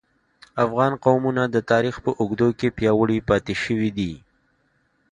افغان قومونه د تاریخ په اوږدو کې پیاوړي پاتې شوي دي